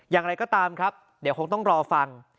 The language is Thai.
อย่างไรก็ตามครับเดี๋ยวคงต้องรอฟัง